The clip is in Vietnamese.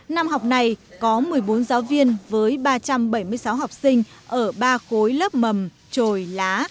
năm học này có một mươi bốn giáo viên với ba trăm bảy mươi sáu học sinh ở ba khối lớp mầm trồi lá